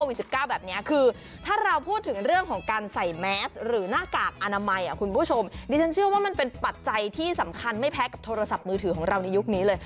แบบนี้คือถ้าเราพูดถึงเรื่องของการใส่แมสหรือหน้ากากอนามัยคุณผู้ชมดิฉันเชื่อว่ามันเป็นปัจจัยที่สำคัญไม่แพ้กับโทรศัพท์มือถือของเราในยุคนี้เลย